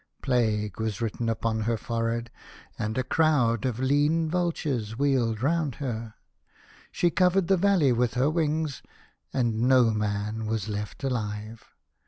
Plague was written upon her forehead, and a crowd of lean vultures wheeled round her. She covered the valley with her wings, and no man was left alive.